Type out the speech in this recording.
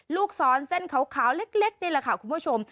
ลูกศรเส้นขาวเล็กนี่แหละค่ะคุณผู้ชม